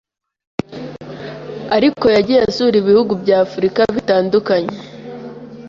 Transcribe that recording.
ariko yagiye asura ibihugu bya Afurika bitandukanye